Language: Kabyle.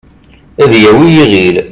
ad yawi iɣil